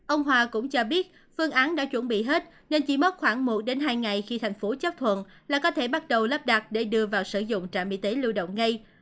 ông hòa cũng cho biết phương án đã chuẩn bị hết nên chỉ mất khoảng một hai ngày khi thành phố chấp thuận là có thể bắt đầu lắp đặt để đưa vào sử dụng trạm y tế lưu động ngay